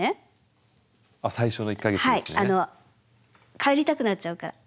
帰りたくなっちゃうから。